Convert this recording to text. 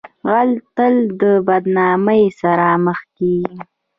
غل تل د بدنامۍ سره مخ کیږي